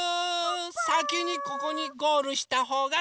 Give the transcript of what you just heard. さきにここにゴールしたほうがかちです！